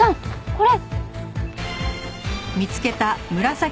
これ。